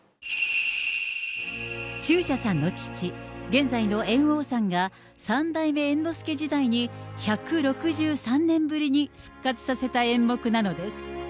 中車さんの父、現在の猿翁さんが、三代目猿之助時代に１６３年ぶりに復活させた演目なのです。